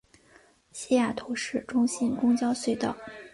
西雅图市中心公交隧道。